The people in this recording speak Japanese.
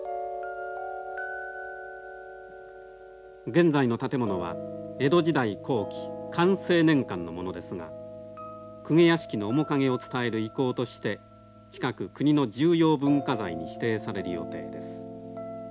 現在の建物は江戸時代後期寛政年間のものですが公家屋敷の面影を伝える遺構として近く国の重要文化財に指定される予定です。